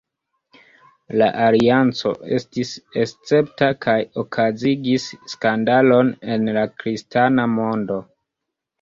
La alianco estis escepta, kaj okazigis skandalon en la kristana mondo.